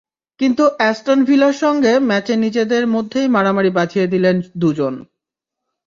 কিন্তু অ্যাস্টন ভিলার সঙ্গে ম্যাচে নিজেদের মধ্যেই মারামারি বাঁধিয়ে দিলেন দুজন।